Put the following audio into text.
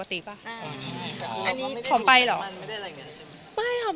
อ๋ออันนี้ไม่ได้ดูดแขนมันไม่ได้อะไรอย่างนั้นใช่ไหม